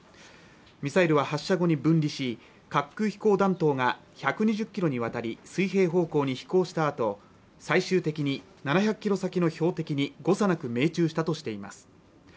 ミサイルは発射後に分離し滑空飛行弾頭が１２０キロにわたり水平方向に飛行したあと最終的に７００キロ先の標的に誤差なく命中したとしています